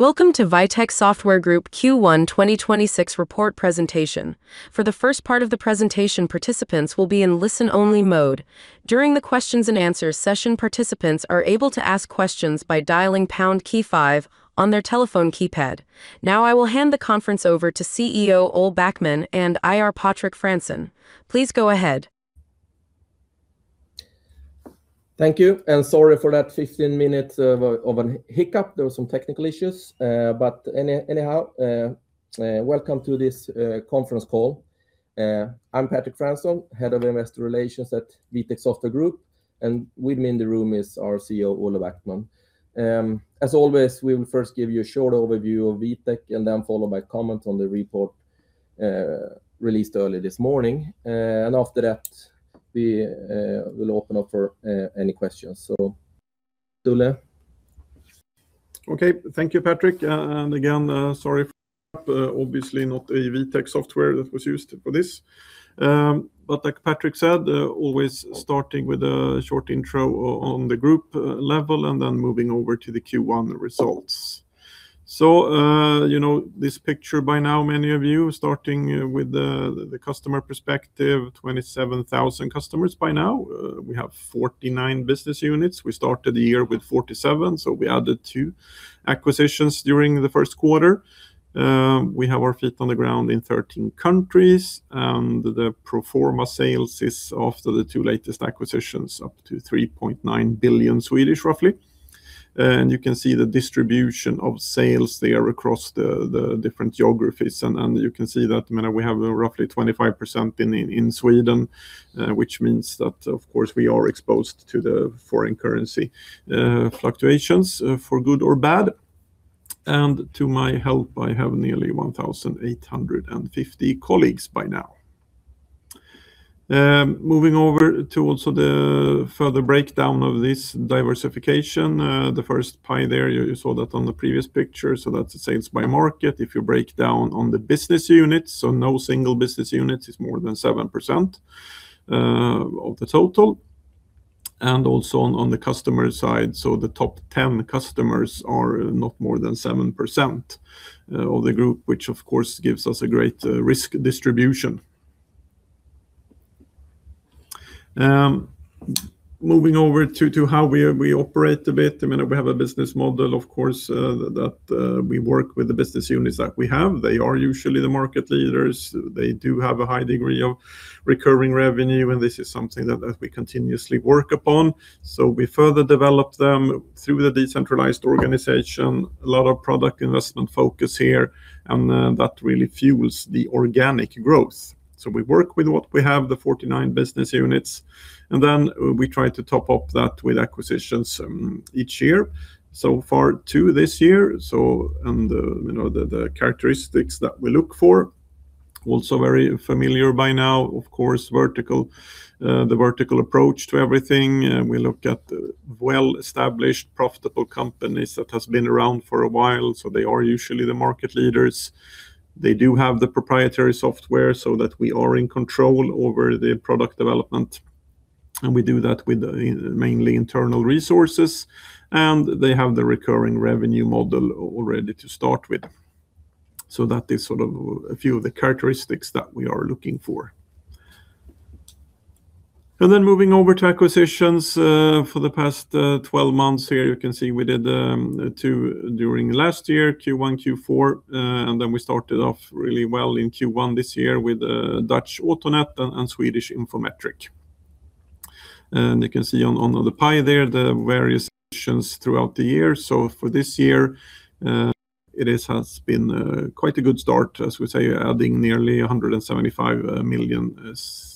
Welcome to Vitec Software Group Q1 2026 report presentation. For the first part of the presentation, participants will be in listen-only mode. During the questions and answers session, participants are able to ask questions by dialing pound key five on their telephone keypad. Now I will hand the conference over to CEO Olle Backman and IR Patrik Fransson. Please go ahead. Thank you. Sorry for that 15 minutes of a hiccup. There were some technical issues. Anyhow, welcome to this conference call. I'm Patrik Fransson, Head of Investor Relations at Vitec Software Group, and with me in the room is our CEO, Olle Backman. As always, we will first give you a short overview of Vitec, and then followed by comments on the report released early this morning. After that, we will open up for any questions. Olle. Okay. Thank you, Patrik. Again, sorry for obviously not a Vitec Software that was used for this. Like Patrik said, always starting with a short intro on the group level and then moving over to the Q1 results. You know this picture by now, many of you, starting with the customer perspective, 27,000 customers by now. We have 49 business units. We started the year with 47, so we added two acquisitions during the Q1. We have our feet on the ground in 13 countries, and the pro forma sales is after the two latest acquisitions, up to 3.9 billion, roughly. You can see the distribution of sales there across the different geographies. You can see that we have roughly 25% in Sweden, which means that, of course, we are exposed to the foreign currency fluctuations for good or bad. With me, I have nearly 1,850 colleagues by now. Moving over to also the further breakdown of this diversification. The first pie there, you saw that on the previous picture. That's the sales by market. If you break down on the business units, so no single business unit is more than 7% of the total. Also on the customer side, so the top 10 customers are not more than 7% of the group, which of course gives us a great risk distribution. Moving over to how we operate a bit. We have a business model, of course, that we work with the business units that we have. They are usually the market leaders. They do have a high degree of recurring revenue, and this is something that we continuously work upon. We further develop them through the decentralized organization. A lot of product investment focus here, and that really fuels the organic growth. We work with what we have, the 49 business units, and then we try to top up that with acquisitions each year. So far two this year. The characteristics that we look for, also very familiar by now, of course, the vertical approach to everything. We look at well-established, profitable companies that has been around for a while. They are usually the market leaders. They do have the proprietary software so that we are in control over the product development, and we do that with mainly internal resources, and they have the recurring revenue model all ready to start with. That is sort of a few of the characteristics that we are looking for. Then moving over to acquisitions for the past 12 months. Here you can see we did two during last year, Q1, Q4, and then we started off really well in Q1 this year with Dutch Autonet and Infometric AB. You can see on the pie there the various acquisitions throughout the year. For this year, it has been quite a good start, as we say, adding nearly 175 million Swedish kronor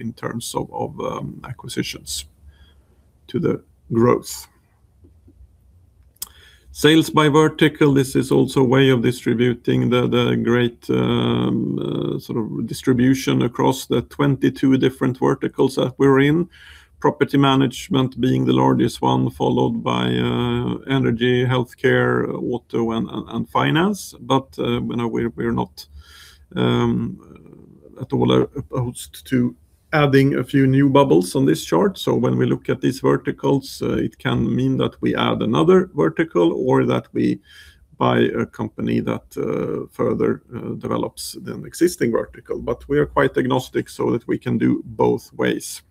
in terms of acquisitions to the growth. Sales by vertical. This is also a way of distributing the great sort of distribution across the 22 different verticals that we're in. Property management being the largest one, followed by energy, healthcare, auto, and finance. We're not at all opposed to adding a few new bubbles on this chart. When we look at these verticals, it can mean that we add another vertical or that we buy a company that further develops the existing vertical. We are quite agnostic so that we can do both ways.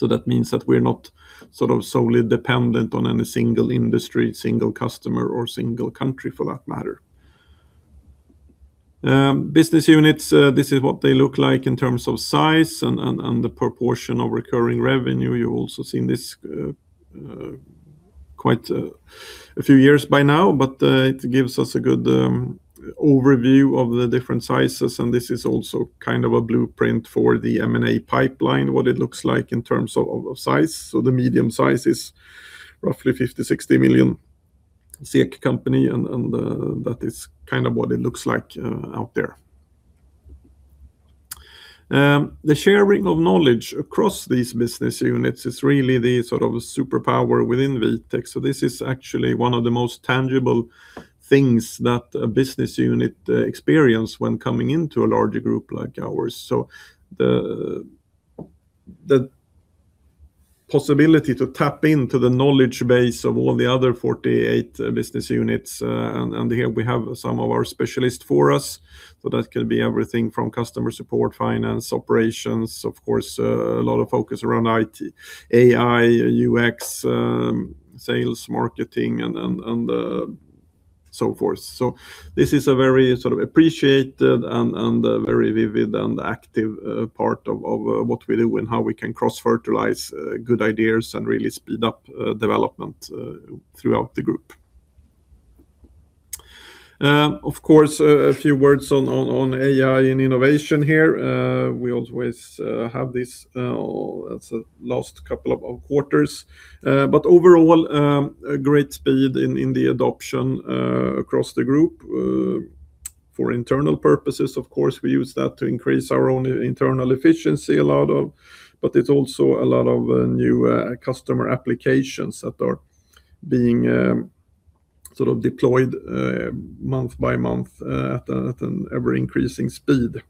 That means that we're not solely dependent on any single industry, single customer, or single country for that matter. Business units, this is what they look like in terms of size and the proportion of recurring revenue. You're also seeing this quite a few years by now, but it gives us a good overview of the different sizes, and this is also kind of a blueprint for the M&A pipeline, what it looks like in terms of size. The medium size is roughly 50-60 million company, and that is kind of what it looks like out there. The sharing of knowledge across these business units is really the sort of superpower within Vitec. This is actually one of the most tangible things that a business unit experience when coming into a larger group like ours, the possibility to tap into the knowledge base of all the other 48 business units. Here we have some of our specialists for us. That could be everything from customer support, finance, operations, of course, a lot of focus around IT, AI, UX, sales, marketing, and so forth. This is a very appreciated and very vivid and active part of what we do and how we can cross-fertilize good ideas and really speed up development throughout the group. Of course, a few words on AI and innovation here. We always have this, at the last couple of quarters. Overall, great speed in the adoption across the group for internal purposes. Of course, we use that to increase our own internal efficiency a lot. It's also a lot of new customer applications that are being deployed month by month at an ever-increasing speed.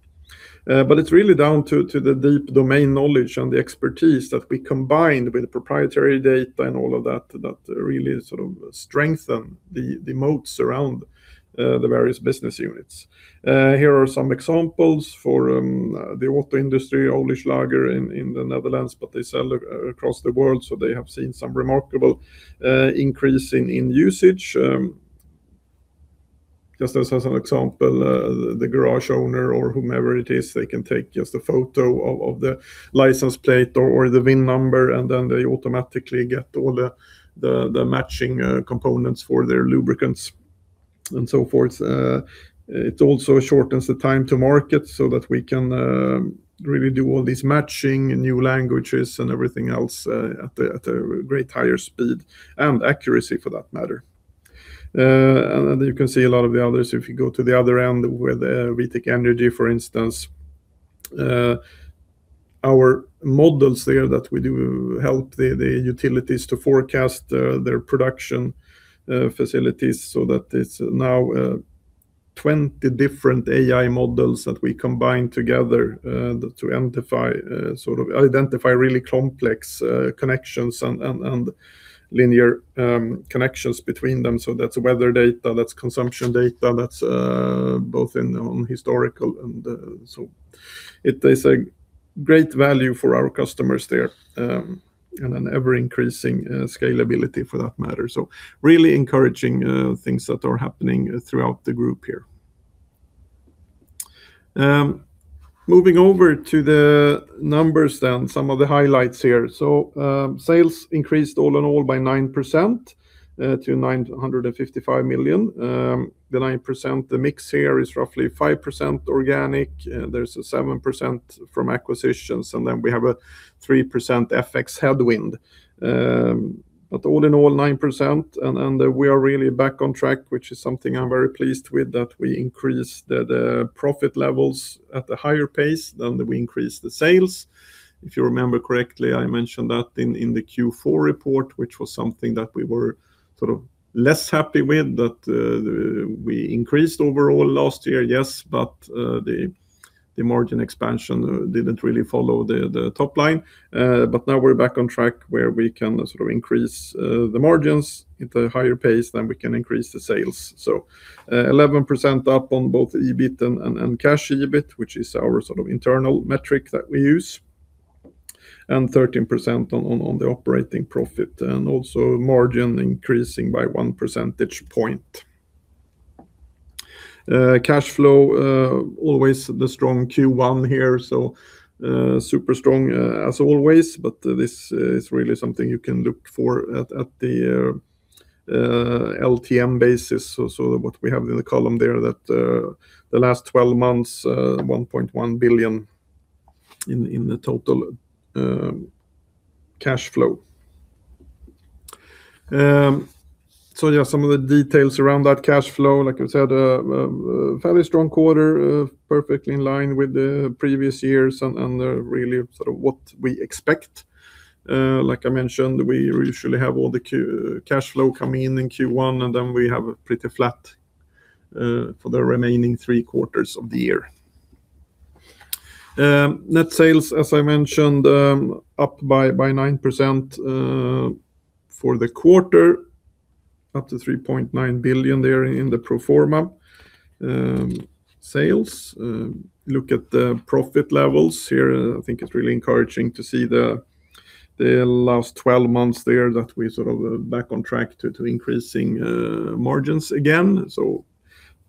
It's really down to the deep domain knowledge and the expertise that we combined with proprietary data and all of that really strengthen the moats around the various business units. Here are some examples for the auto industry, Olyslager in the Netherlands, but they sell across the world, so they have seen some remarkable increase in usage. Just as an example, the garage owner or whomever it is, they can take just a photo of the license plate or the VIN number, and then they automatically get all the matching components for their lubricants and so forth. It also shortens the time to market so that we can really do all these matching new languages and everything else at a much higher speed, and accuracy for that matter. You can see a lot of the others, if you go to the other end with Vitec Energy, for instance. Our models there that we do help the utilities to forecast their production facilities, so that it's now 20 different AI models that we combine together to identify really complex connections and linear connections between them. That's weather data, that's consumption data, that's both on historical and so. It is a great value for our customers there and an ever-increasing scalability for that matter. Really encouraging things that are happening throughout the group here. Moving over to the numbers, some of the highlights here. Sales increased all in all by 9% to 955 million. The 9%, the mix here is roughly 5% organic, there's 7% from acquisitions, and then we have a 3% FX headwind. All in all, 9%, and we are really back on track, which is something I'm very pleased with that we increased the profit levels at a higher pace than we increased the sales. If you remember correctly, I mentioned that in the Q4 report, which was something that we were less happy with, that we increased overall last year, yes, but the margin expansion didn't really follow the top line. Now we're back on track where we can increase the margins at a higher pace than we can increase the sales. 11% up on both EBIT and cash EBIT, which is our internal metric that we use, and 13% on the operating profit, and also margin increasing by one percentage point. Cash flow, always the strong Q1 here, super strong as always, but this is really something you can look for at the LTM basis. What we have in the column there is the last 12 months, 1.1 billion in the total cash flow. Yeah, some of the details around that cash flow, like I said, a fairly strong quarter, perfectly in line with the previous years and really what we expect. Like I mentioned, we usually have all the cash flow come in in Q1, and then we have pretty flat for the remaining three quarters of the year. Net sales, as I mentioned, up by 9% for the quarter, up to 3.9 billion there in the pro forma sales. Look at the profit levels here. I think it's really encouraging to see the last 12 months there that we're back on track to increasing margins again.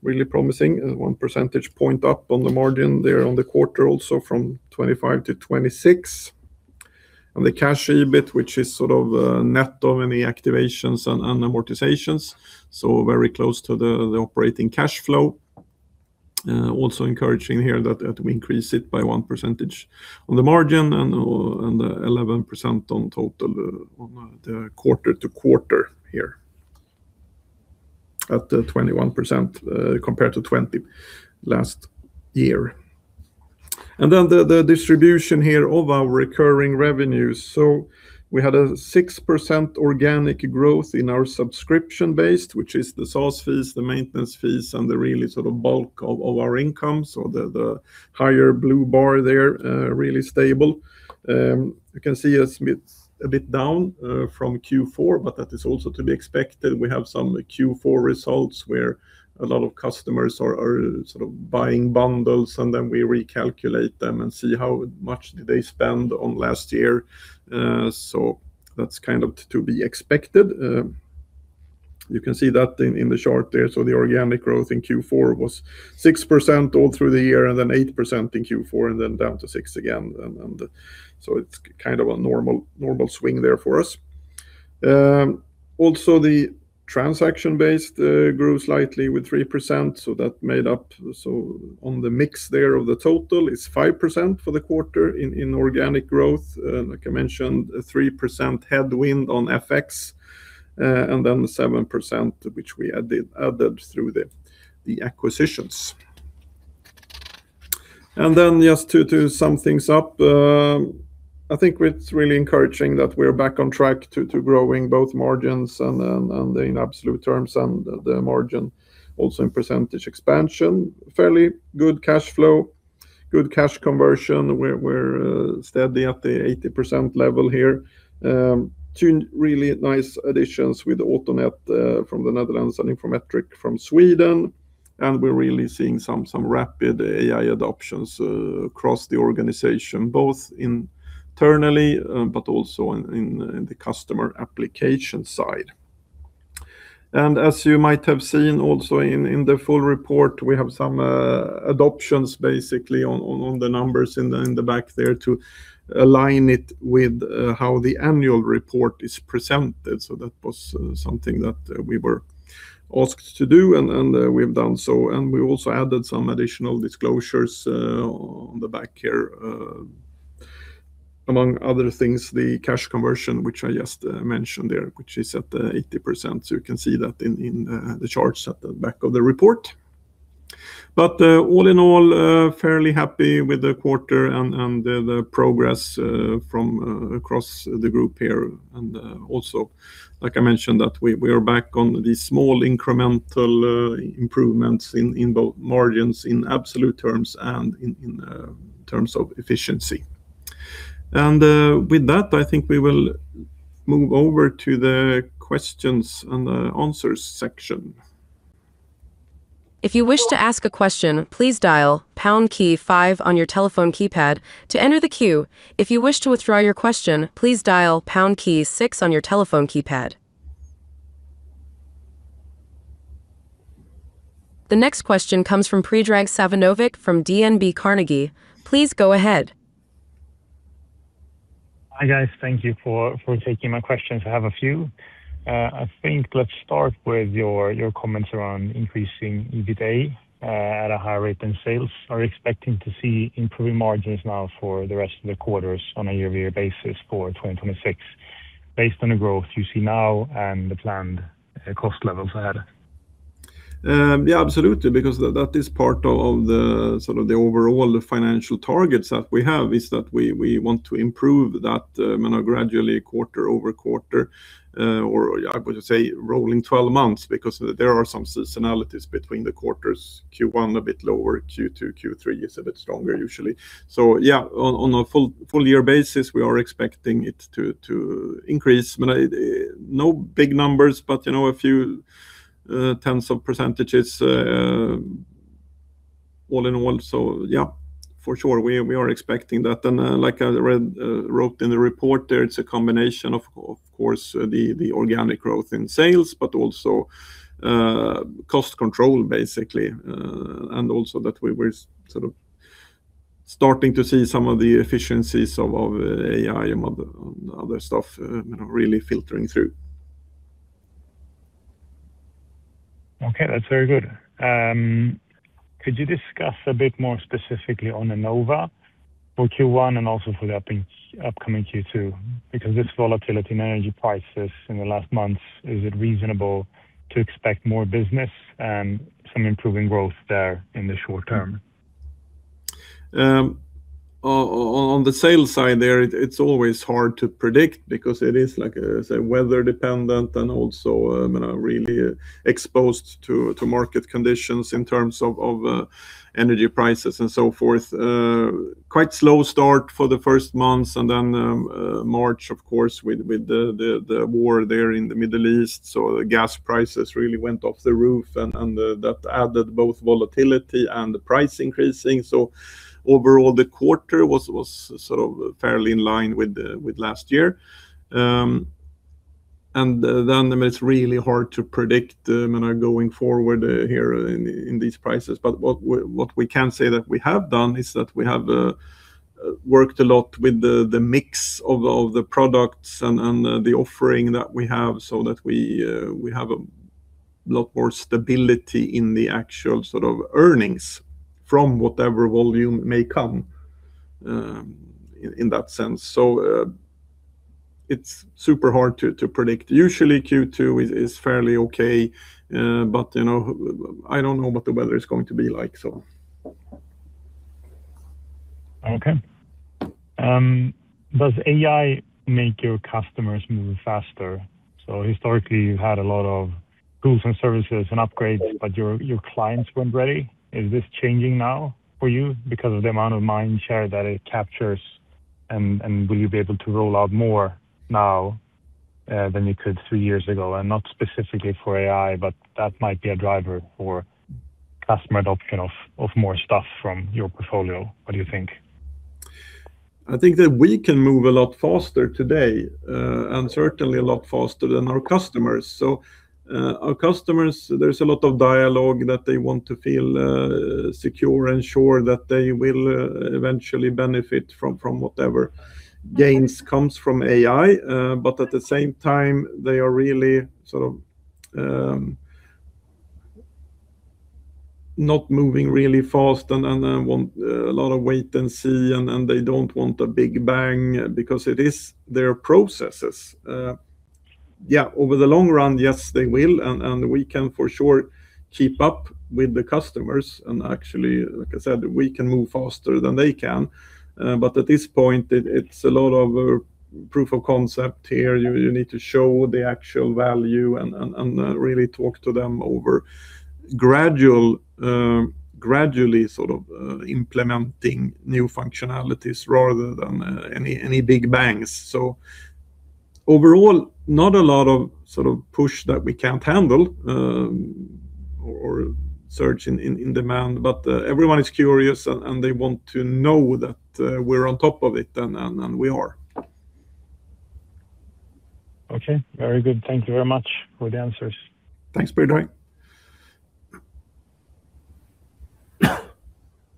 Really promising. One percentage point up on the margin there on the quarter also from 25% to 26%. The cash EBIT, which is net of any activations and amortizations, so very close to the operating cash flow. Also encouraging here that we increase it by one percentage on the margin and 11% on total on the quarter-over-quarter here at the 21% compared to 20% last year. The distribution here of our recurring revenues. We had a 6% organic growth in our subscription-based, which is the source fees, the maintenance fees, and the really sort of bulk of our income. The higher blue bar there, really stable. You can see us a bit down from Q4, but that is also to be expected. We have some Q4 results where a lot of customers are sort of buying bundles, and then we recalculate them and see how much did they spend on last year. That's kind of to be expected. You can see that in the chart there. The organic growth in Q4 was 6% all through the year and then 8% in Q4, and then down to 6 again. It's kind of a normal swing there for us. Also, the transaction-based grew slightly with 3%, so that made up. On the mix there of the total is 5% for the quarter in organic growth. Like I mentioned, 3% headwind on FX, and then 7%, which we added through the acquisitions. Just to sum things up, I think it's really encouraging that we are back on track to growing both margins and in absolute terms and the margin also in percentage expansion. Fairly good cash flow, good cash conversion. We're steady at the 80% level here. Two really nice additions with Autonet from the Netherlands and Infometric from Sweden. We're really seeing some rapid AI adoptions across the organization, both internally but also in the customer application side. As you might have seen also in the full report, we have some adoptions basically on the numbers in the back there to align it with how the annual report is presented. That was something that we were asked to do, and we've done so. We also added some additional disclosures on the back here. Among other things, the cash conversion, which I just mentioned there, which is at 80%. You can see that in the charts at the back of the report. All in all, fairly happy with the quarter and the progress from across the group here. Also, like I mentioned, that we are back on the small incremental improvements in both margins in absolute terms and in terms of efficiency. With that, I think we will move over to the questions and the answers section. If you wish to ask a question, please dial pound key five on your telephone keypad to enter the queue. If you wish to withdraw your question, please dial pound key six on your telephone keypad. The next question comes from Predrag Savinovic from DNB Carnegie. Please go ahead. Hi, guys. Thank you for taking my questions. I have a few. I think let's start with your comments around increasing EBITDA at a higher rate than sales. Are you expecting to see improving margins now for the rest of the quarters on a year-over-year basis for 2026 based on the growth you see now and the planned cost levels ahead? Yeah, absolutely. Because that is part of the sort of the overall financial targets that we have is that we want to improve that gradually quarter-over-quarter, or I would say rolling 12 months, because there are some seasonalities between the quarters. Q1 a bit lower, Q2, Q3 is a bit stronger usually. Yeah, on a full year basis, we are expecting it to increase. No big numbers, but a few tens of percentages all in all. Yeah, for sure, we are expecting that. Like I wrote in the report there, it's a combination of course, the organic growth in sales, but also cost control basically. Also that we were sort of starting to see some of the efficiencies of AI and other stuff really filtering through. Okay, that's very good. Could you discuss a bit more specifically on Enova for Q1 and also for the upcoming Q2, because this volatility in energy prices in the last months, is it reasonable to expect more business and some improving growth there in the short term? On the sales side there, it's always hard to predict because it is, like I say, weather dependent and also really exposed to market conditions in terms of energy prices and so forth. There was a quite slow start for the first months, then March, of course, with the war there in the Middle East. Gas prices really went through the roof and that added both volatility and price increases. Overall, the quarter was sort of fairly in line with last year. It's really hard to predict going forward given these prices. What we can say is that we have done is that we have worked a lot with the mix of the products and the offering that we have so that we have a lot more stability in the actual sort of earnings from whatever volume may come in that sense. It's super hard to predict. Usually Q2 is fairly okay, but I don't know what the weather is going to be like. Okay. Does AI make your customers move faster? Historically you've had a lot of tools and services and upgrades, but your clients weren't ready. Is this changing now for you because of the amount of mind share that it captures? Will you be able to roll out more now than you could three years ago? Not specifically for AI, but that might be a driver for customer adoption of more stuff from your portfolio. What do you think? I think that we can move a lot faster today, and certainly a lot faster than our customers. Our customers, there's a lot of dialogue that they want to feel secure and sure that they will eventually benefit from whatever gains comes from AI. At the same time, they are really sort of not moving really fast and want a lot of wait and see. They don't want a big bang because it is their processes. Yeah, over the long run, yes, they will and we can for sure keep up with the customers and actually, like I said, we can move faster than they can. At this point, it's a lot of proof of concept here. You need to show the actual value and really talk to them over gradually implementing new functionalities rather than any big bangs. Overall, not a lot of push that we can't handle or surge in demand, but everyone is curious, and they want to know that we're on top of it. We are. Okay. Very good. Thank you very much for the answers. Thanks, Predrag.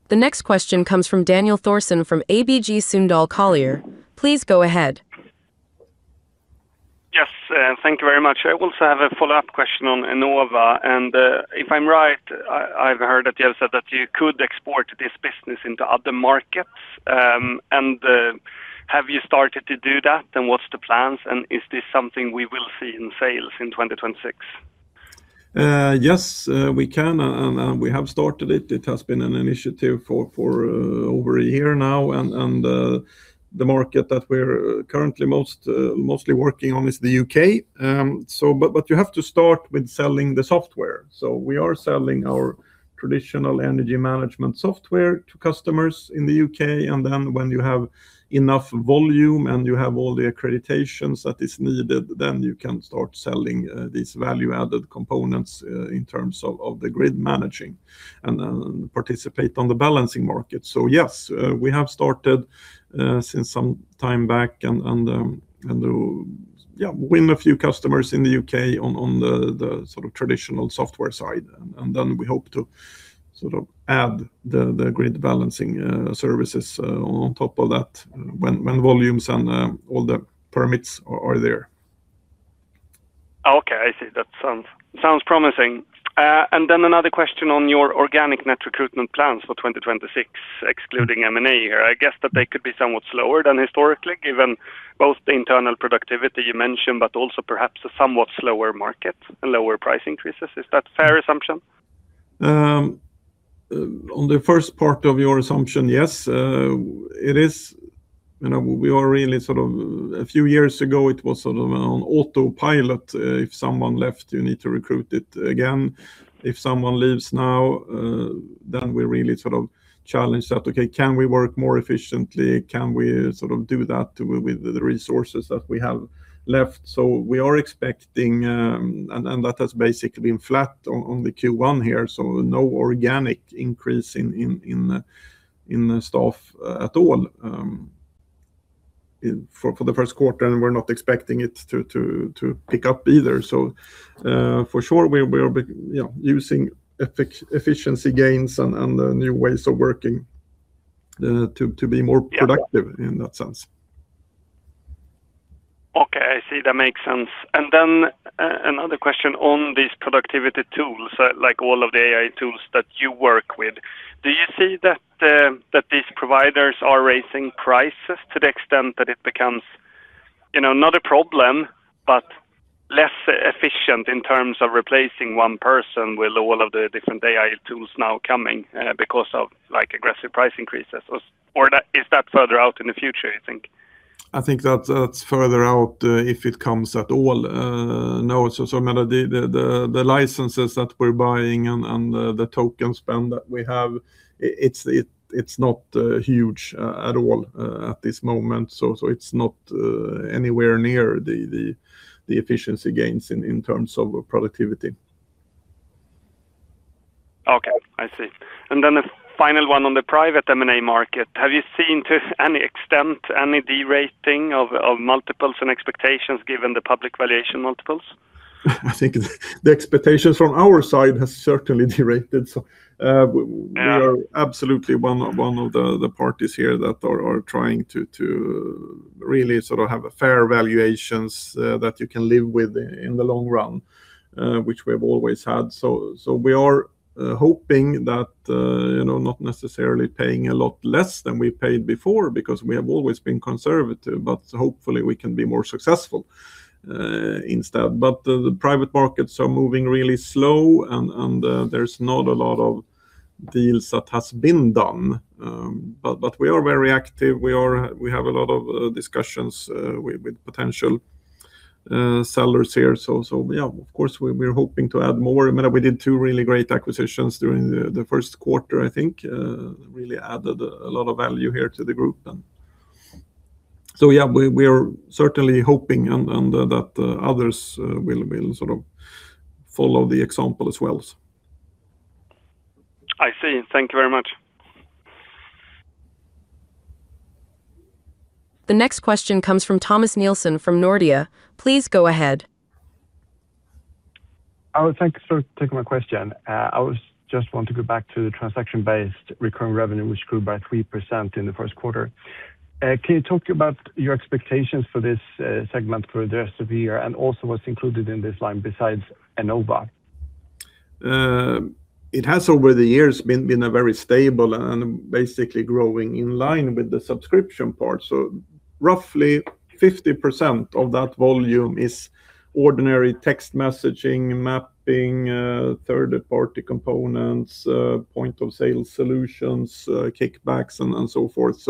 The next question comes from Daniel Thorsson from ABG Sundal Collier. Please go ahead. Yes, thank you very much. I also have a follow-up question on Enova, and if I'm right, I've heard that you have said that you could export this business into other markets. Have you started to do that, and what's the plans, and is this something we will see in sales in 2026? Yes, we can and we have started it. It has been an initiative for over a year now, and the market that we're currently mostly working on is the U.K. You have to start with selling the software. We are selling our traditional energy management software to customers in the U.K., and then when you have enough volume and you have all the accreditations that is needed, then you can start selling these value-added components in terms of the grid management and participate on the balancing market. Yes, we have started since some time back and yeah, won a few customers in the U.K. on the traditional software side, and then we hope to add the grid balancing services on top of that when volumes and all the permits are there. Okay, I see. That sounds promising. Another question on your organic net recruitment plans for 2026, excluding M&A here. I guess that they could be somewhat slower than historically, given both the internal productivity you mentioned, but also perhaps a somewhat slower market and lower price increases. Is that a fair assumption? On the first part of your assumption, yes. It is. A few years ago it was on autopilot. If someone left, you need to recruit it again. If someone leaves now, then we're really challenged that, okay, can we work more efficiently? Can we do that with the resources that we have left? We are expecting, and that has basically been flat on the Q1 here, so no organic increase in staff at all for the Q1, and we're not expecting it to pick up either. For sure, we are using efficiency gains and new ways of working to be more productive in that sense. Okay, I see. That makes sense. Another question on these productivity tools, like all of the AI tools that you work with. Do you see that these providers are raising prices to the extent that it becomes, not a problem, but less efficient in terms of replacing one person with all of the different AI tools now coming because of aggressive price increases? Or is that further out in the future, you think? I think that's further out, if it comes at all. No, the licenses that we're buying and the token spend that we have, it's not huge at all at this moment. It's not anywhere near the efficiency gains in terms of productivity. Okay, I see. A final one on the private M&A market. Have you seen to any extent, any de-rating of multiples and expectations given the public valuation multiples? I think the expectations from our side has certainly de-rated. We are absolutely one of the parties here that are trying to really have fair valuations that you can live with in the long run, which we have always had. We are hoping that, not necessarily paying a lot less than we paid before because we have always been conservative, but hopefully we can be more successful instead. The private markets are moving really slow, and there's not a lot of deals that has been done. We are very active. We have a lot of discussions with potential sellers here. Yeah, of course, we're hoping to add more. We did two really great acquisitions during the Q1, I think. Really added a lot of value here to the group. Yeah, we are certainly hoping, and that others will follow the example as well. I see. Thank you very much. The next question comes from Thomas Nilsson from Nordea. Please go ahead. Thanks for taking my question. I just want to go back to the transaction-based recurring revenue, which grew by 3% in the Q1. Can you talk about your expectations for this segment for the rest of the year, and also what's included in this line besides Enova? It has, over the years, been very stable and basically growing in line with the subscription part. Roughly 50% of that volume is ordinary text messaging, mapping, third-party components, point-of-sale solutions, kickbacks, and so forth.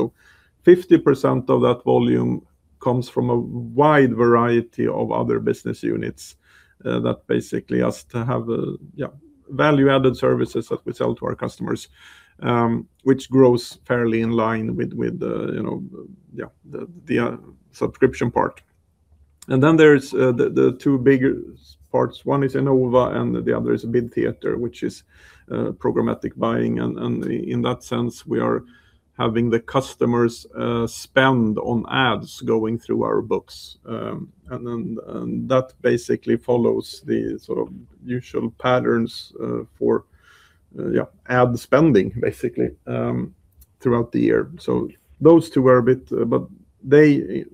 50% of that volume comes from a wide variety of other business units that basically has to have value-added services that we sell to our customers, which grows fairly in line with the subscription part. Then there's the two big parts. One is Enova, and the other is BidTheatre, which is programmatic buying. In that sense, we are having the customers spend on ads going through our books. That basically follows the usual patterns for ad spending basically throughout the year.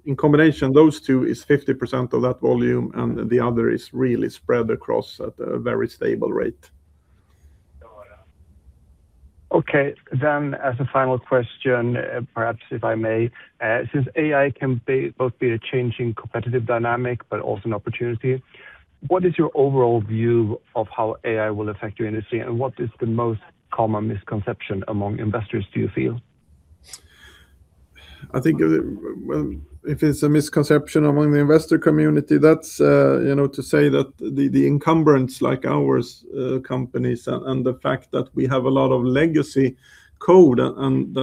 In combination, those two is 50% of that volume and the other is really spread across at a very stable rate. Okay. As a final question, perhaps, if I may. Since AI can both be a changing competitive dynamic but also an opportunity, what is your overall view of how AI will affect your industry? What is the most common misconception among investors, do you feel? I think if it's a misconception among the investor community, that's to say that the incumbents like our companies and the fact that we have a lot of legacy code, and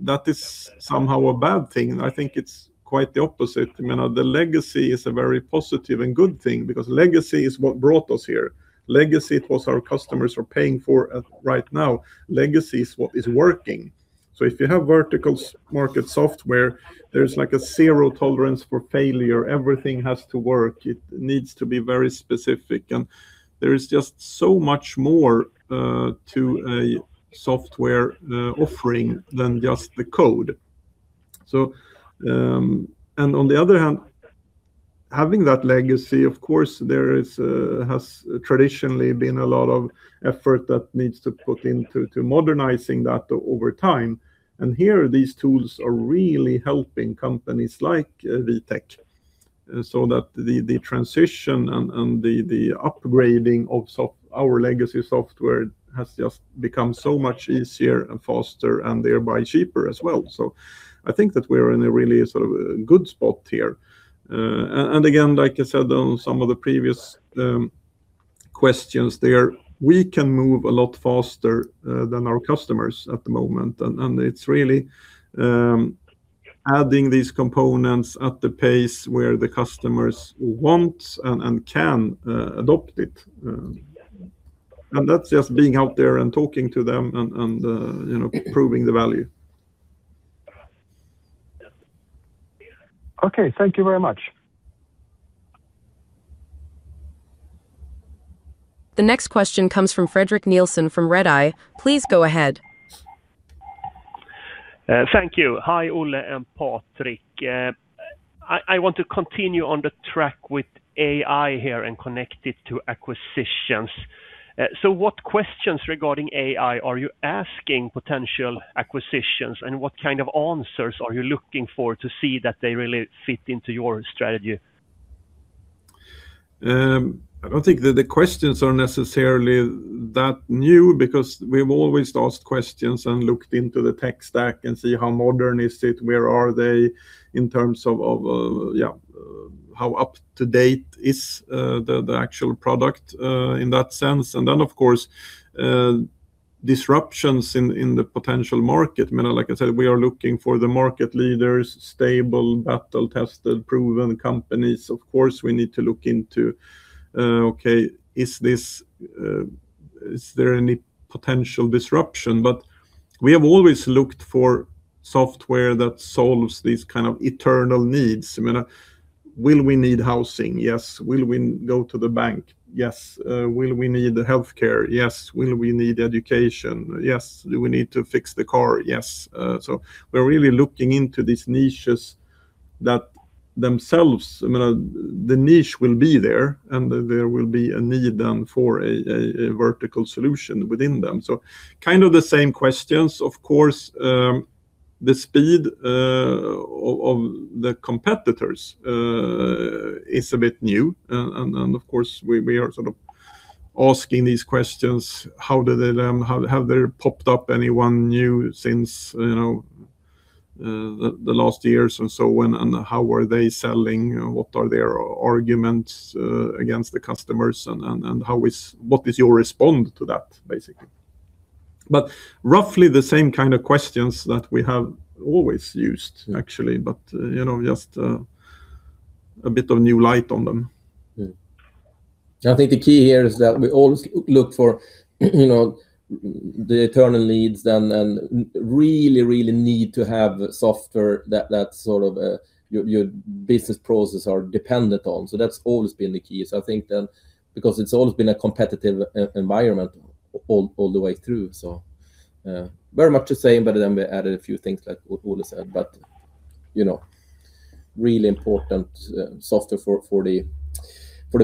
that is somehow a bad thing. I think it's quite the opposite. The legacy is a very positive and good thing because legacy is what brought us here. Legacy is what our customers are paying for right now. Legacy is what is working. So if you have vertical market software, there's a zero tolerance for failure. Everything has to work. It needs to be very specific, and there is just so much more to a software offering than just the code. On the other hand, having that legacy, of course, there has traditionally been a lot of effort that needs to put into modernizing that over time. Here, these tools are really helping companies like Vitec, so that the transition and the upgrading of our legacy software has just become so much easier and faster, and thereby cheaper as well. I think that we're in a really good spot here. Again, like I said on some of the previous questions there, we can move a lot faster than our customers at the moment. It's really adding these components at the pace where the customers want and can adopt it. That's just being out there and talking to them and proving the value. Okay. Thank you very much. The next question comes from Fredrik Nilsson from Redeye. Please go ahead. Thank you. Hi, Olle and Patrik. I want to continue on the track with AI here and connect it to acquisitions. What questions regarding AI are you asking potential acquisitions, and what kind of answers are you looking for to see that they really fit into your strategy? I don't think that the questions are necessarily that new because we've always asked questions and looked into the tech stack and see how modern is it, where are they in terms of how up to date is the actual product in that sense, then, of course, disruptions in the potential market. Like I said, we are looking for the market leaders, stable, battle-tested, proven companies. Of course, we need to look into, okay, is there any potential disruption? We have always looked for software that solves these kind of eternal needs. Will we need housing? Yes. Will we go to the bank? Yes. Will we need healthcare? Yes. Will we need education? Yes. Do we need to fix the car? Yes. We're really looking into these niches that themselves, the niche will be there, and there will be a need then for a vertical solution within them. Kind of the same questions, of course. The speed of the competitors is a bit new. Of course, we are sort of asking these questions, have there popped up anyone new since the last years and so on, and how are they selling? What are their arguments against the customers and what is your response to that, basically. Roughly the same kind of questions that we have always used, actually. Just a bit of new light on them. I think the key here is that we always look for the essential needs that really need to have software that your business processes are dependent on. That's always been the key. I think then, because it's always been a competitive environment all the way through. Very much the same, but then we added a few things, like Olle said. Really important software for the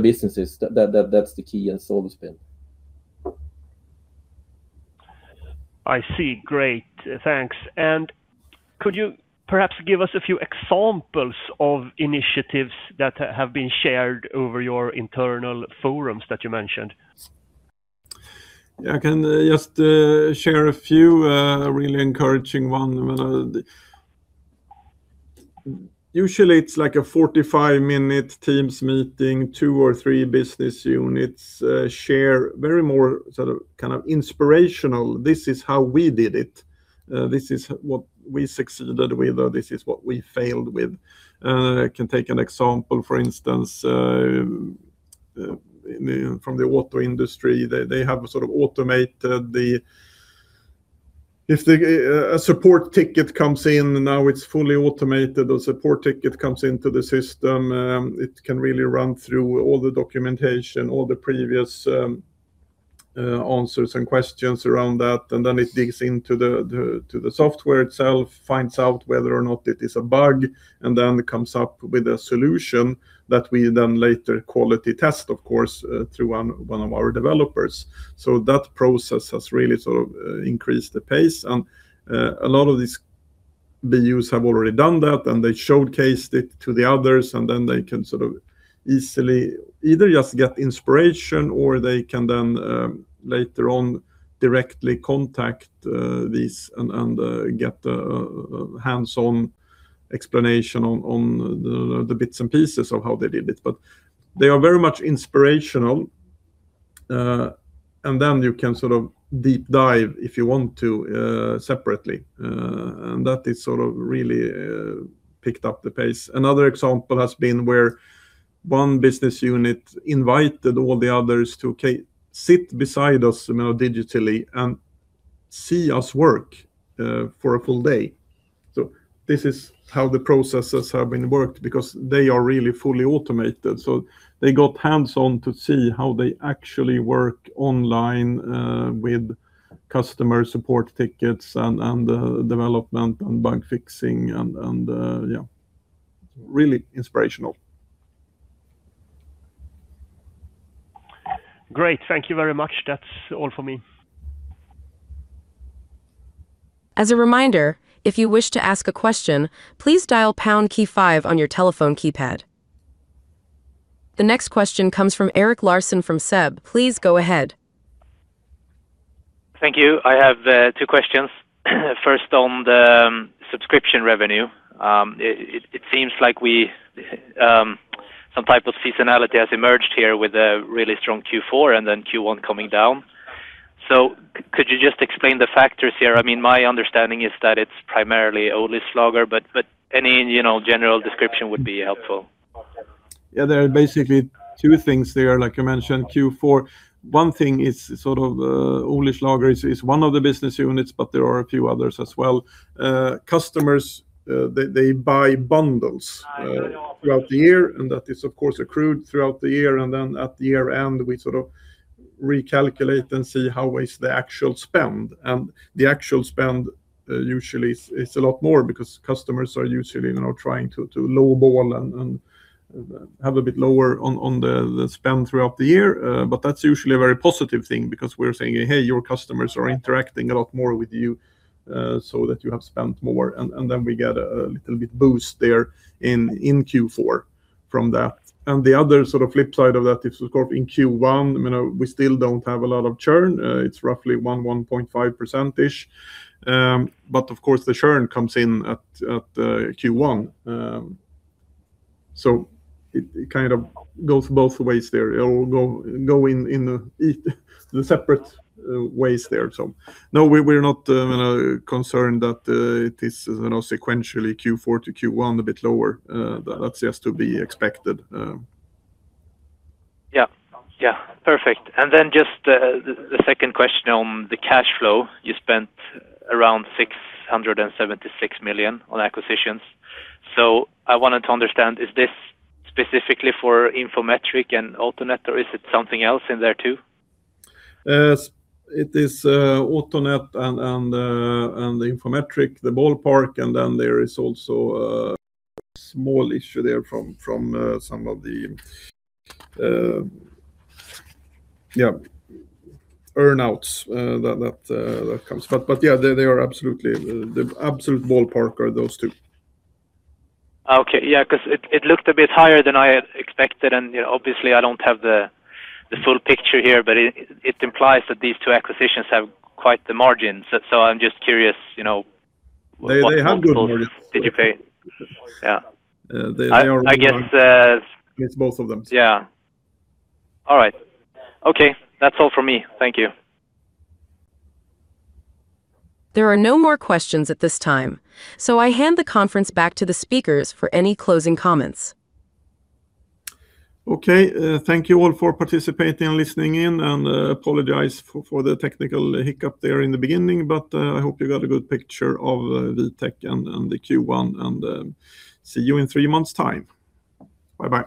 businesses. That's the key, and it's always been. I see. Great. Thanks. Could you perhaps give us a few examples of initiatives that have been shared over your internal forums that you mentioned? Yeah, I can just share a few, a really encouraging one. Usually it's like a 45-minute teams meeting. Two or three business units share, very more sort of inspirational, this is how we did it. This is what we succeeded with, or this is what we failed with. I can take an example, for instance, from the auto industry. If a support ticket comes in, now it's fully automated. A support ticket comes into the system, it can really run through all the documentation, all the previous answers and questions around that, and then it digs into the software itself, finds out whether or not it is a bug, and then comes up with a solution that we then later quality test, of course, through one of our developers. That process has really increased the pace. A lot of these BUs have already done that, and they showcased it to the others, and then they can easily either just get inspiration or they can then later on directly contact these and get a hands-on explanation on the bits and pieces of how they did it. They are very much inspirational. You can deep dive if you want to, separately. That has really picked up the pace. Another example has been where one business unit invited all the others to sit beside us digitally and see us work for a full day. This is how the processes have been worked, because they are really fully automated. They got hands-on to see how they actually work online, with customer support tickets and development and bug fixing and yeah. Really inspirational. Great. Thank you very much. That's all for me. As a reminder, if you wish to ask a question, please dial pound key five on your telephone keypad. The next question comes from Erik Larsson from SEB. Please go ahead. Thank you. I have two questions. First, on the subscription revenue. It seems like some type of seasonality has emerged here with a really strong Q4 and then Q1 coming down. Could you just explain the factors here? My understanding is that it's primarily Olyslager, but any general description would be helpful. Yeah, there are basically two things there. Like I mentioned, Q4, one thing is Olyslager is one of the business units, but there are a few others as well. Customers, they buy bundles throughout the year, and that is, of course, accrued throughout the year. At the year-end, we sort of recalculate and see how is the actual spend. The actual spend usually is a lot more because customers are usually trying to lowball and have a bit lower on the spend throughout the year. That's usually a very positive thing because we're saying, "Hey, your customers are interacting a lot more with you, so that you have spent more." We get a little bit boost there in Q4 from that. The other sort of flip side of that is, of course, in Q1, we still don't have a lot of churn. It's roughly 1%-1.5%. Of course, the churn comes in at Q1. It kind of goes both ways there. It'll go in the separate ways there. No, we're not concerned that it is sequentially Q4 to Q1 a bit lower. That's just to be expected. Yeah. Perfect. Just the second question on the cash flow. You spent around 676 million on acquisitions. I wanted to understand, is this specifically for Infometric and Autonet, or is it something else in there, too? It is Autonet and the Infometric, the ballpark, and then there is also a small issue there from some of the earn-outs that comes. Yeah, the absolute ballpark are those two. Okay. Yeah, because it looked a bit higher than I had expected, and obviously, I don't have the full picture here, but it implies that these two acquisitions have quite the margins. I'm just curious what you paid. They have good margins. Yeah. They are good on. I guess. It's both of them. Yeah. All right. Okay, that's all for me. Thank you. There are no more questions at this time, so I hand the conference back to the speakers for any closing comments. Okay. Thank you all for participating and listening in, and I apologize for the technical hiccup there in the beginning, but I hope you got a good picture of Vitec and the Q1, and see you in three months' time. Bye-bye.